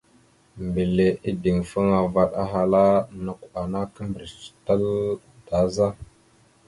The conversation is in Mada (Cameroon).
Mbile ideŋfaŋa vaɗ ahala: « Nakw ana kimbirec tal daa za? ».